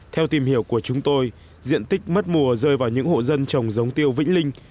theo tìm hiểu của chúng tôi diện tích mất mùa rơi vào những hộ dân trồng giống tiêu vĩnh linh